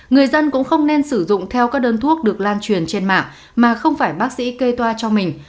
người dân cũng không nên sử dụng theo các đơn thuốc được lan truyền trên mạng mà không phải bác sĩ kê toa cho mình